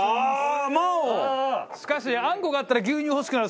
しかしあんこがあったら牛乳が欲しくなる。